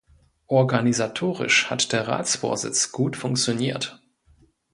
Organisatorisch hat der Ratsvorsitz gut funktioniert.